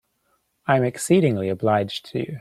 I am exceedingly obliged to you.